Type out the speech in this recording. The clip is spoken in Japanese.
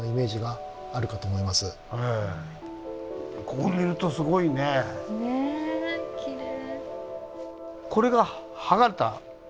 こう見るとすごいね。ねきれい。